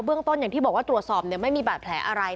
ต้นอย่างที่บอกว่าตรวจสอบไม่มีบาดแผลอะไร